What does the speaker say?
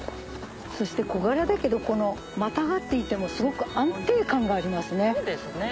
そして小柄だけどまたがっていてもすごく安定感がありますね。